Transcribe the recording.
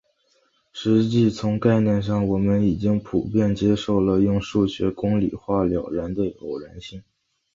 实际从概念上我们已经普遍接受了用数学公理量化了的偶然性。